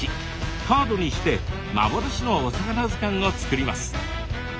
カードにして幻のお魚図鑑を作ります。